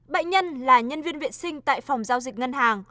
bệnh nhân là nhân viên viện sinh tại phòng giao dịch ngân hàng